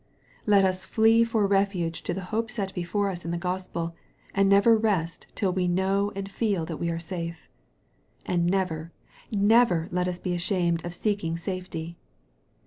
Let us flee for refuge to the hope set before us in the Gospel, and never rest till we know and feel that we are safe. And never, never let us be ashamed of seeking safety.